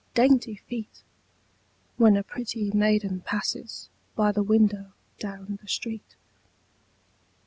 "Dainty feet!" When a pretty maiden passes By the window down the street.